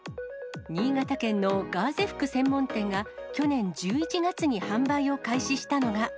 新潟県のガーゼ服専門店が、去年１１月に販売を開始したのが。